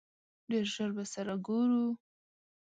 ډېر ژر به سره ګورو!